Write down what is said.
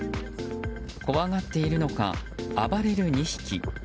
怖がっているのか、暴れる２匹。